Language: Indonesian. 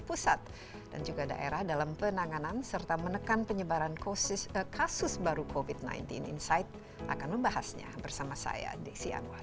pusat dan juga daerah dalam penanganan serta menekan penyebaran kasus baru covid sembilan belas insight akan membahasnya bersama saya desi anwar